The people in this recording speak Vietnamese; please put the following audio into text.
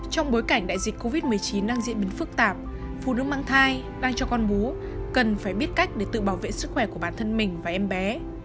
trong bối cảnh đại dịch covid một mươi chín đang diễn biến phức tạp phụ nữ mang thai đang cho con bú cần phải biết cách để tự bảo vệ sức khỏe của bản thân mình và em bé